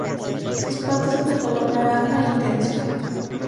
Sus patas son de color naranja intenso.